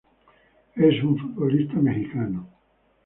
Es un futbolista mexicano.